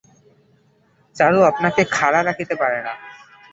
চারু আপনাকে আর খাড়া রাখিতে পারে না।